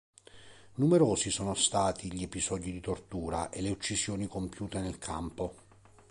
Numerosi sono stati gli episodi di tortura e le uccisioni compiute nel campo.